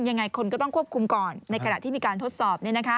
ยังไงคนก็ต้องควบคุมก่อนในขณะที่มีการทดสอบ